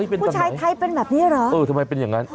ผู้ชายไทยเป็นแบบนี้เหรอเออทำไมเป็นอย่างนั้น